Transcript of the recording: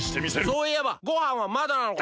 そういえばごはんはまだなのか？